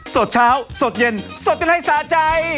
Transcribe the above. สดเช้าสดเย็นสดกันให้สะใจ